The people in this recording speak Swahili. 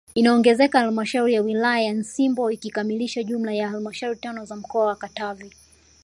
Inaongezeka halmashauri ya wilaya Nsimbo ikikamilisha jumla ya halmashauri tano za mkoa wa Katavi